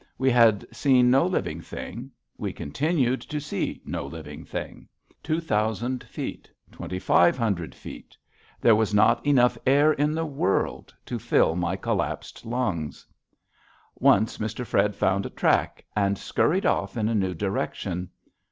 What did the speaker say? We had seen no living thing; we continued to see no living thing. Two thousand feet, twenty five hundred feet. There was not enough air in the world to fill my collapsed lungs. Once Mr. Fred found a track, and scurried off in a new direction.